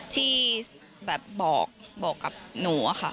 ที่แบบบอกกับหนูอะค่ะ